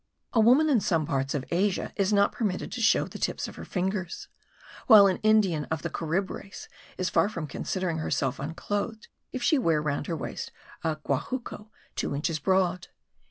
A woman in some parts of Asia is not permitted to show the tips of her fingers; while an Indian of the Carib race is far from considering herself unclothed if she wear round her waist a guajuco two inches broad.